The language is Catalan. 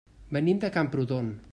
Venim de Camprodon.